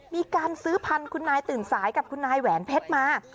มีการซื้อพันธุ์นายตื่นสายกับคุณนายแหวนเพชรมา